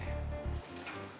kamu harus sehat dong